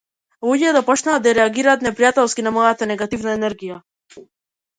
Луѓето почнаа да реагираат непријателски на мојата негативна енергија.